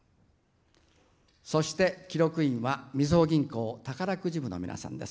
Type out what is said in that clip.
そして、記録員はみずほ銀行宝くじ部の皆さんです。